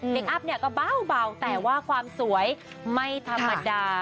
คอัพเนี่ยก็เบาแต่ว่าความสวยไม่ธรรมดา